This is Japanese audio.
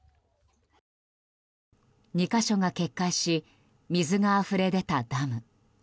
２か所が決壊し水があふれ出たダム。